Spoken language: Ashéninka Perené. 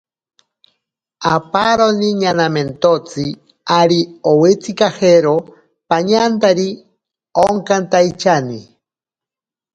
Aparoni ñanamentotsi ari owitsikajero pañantari onkantaityani.